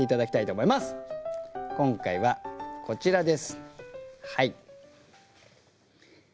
今回はこちらです。